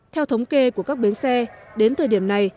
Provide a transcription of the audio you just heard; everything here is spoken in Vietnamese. theo thống kê của các bến xe đến thời điểm này